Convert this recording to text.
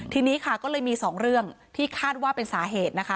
ทีนี้ค่ะก็เลยมีสองเรื่องที่คาดว่าเป็นสาเหตุนะคะ